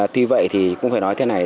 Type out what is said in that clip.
tuy vậy thì cũng phải nói thế này